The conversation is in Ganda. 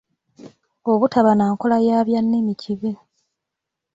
Obutaba na nkola ya byannimi kibi.